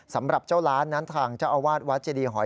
สำหรับเจ้าล้านนั้นทางเจ้าอาวาสวัดเจดีหอย